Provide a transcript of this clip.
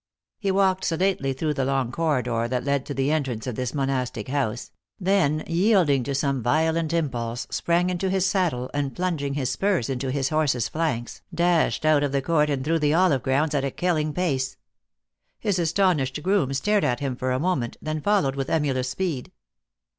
He walked sedately through the long corridor that led to the entrance of this mon 332 THE ACTRESS IN HIGH LIFE. astic house, then, yielding to some violent impulse, sprang into his saddle, and plunging his spurs into his horse s flanks, dashed out of the court and through the olive grounds at a killing pace. His astonished groom stared at him for a moment, then followed with emulous speed.